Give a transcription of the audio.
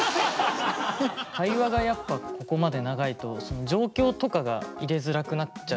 会話がやっぱここまで長いと状況とかが入れづらくなっちゃうんですね。